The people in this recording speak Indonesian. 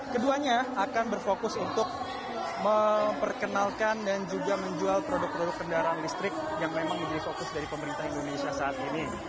keduanya akan berfokus untuk memperkenalkan dan juga menjual produk produk kendaraan listrik yang memang menjadi fokus dari pemerintah indonesia saat ini